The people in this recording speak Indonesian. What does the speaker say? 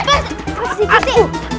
pak sri kiti